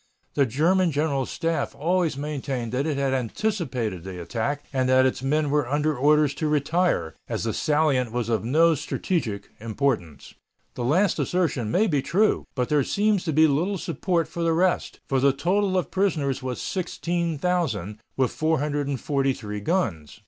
The German General Staff always maintained that it had anticipated the attack and that its men were under orders to retire, as the salient was of no strategic importance. The last assertion may be true, but there seems to be little to support the rest, for the total of prisoners was 16,000, with 443 guns.